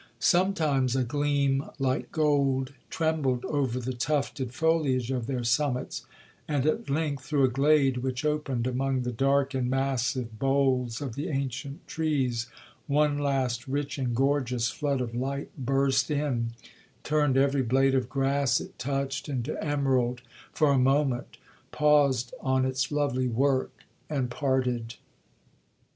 Sometimes a gleam like gold trembled over the tufted foliage of their summits, and at length, through a glade which opened among the dark and massive boles of the ancient trees, one last rich and gorgeous flood of light burst in, turned every blade of grass it touched into emerald for a moment,—paused on its lovely work—and parted.